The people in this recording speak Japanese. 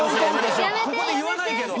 ここで言わないけど。